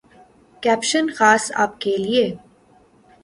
caption خاص آپ کے لیے